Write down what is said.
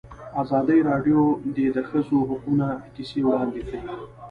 ازادي راډیو د د ښځو حقونه کیسې وړاندې کړي.